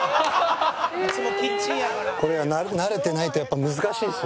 これは慣れてないとやっぱ難しいですね。